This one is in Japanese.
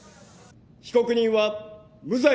被告人は無罪